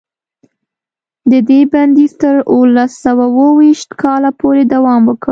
د دې بندیز تر اوولس سوه اوه ویشت کاله پورې دوام وکړ.